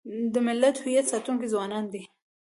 د ملت د هویت ساتونکي ځوانان دي.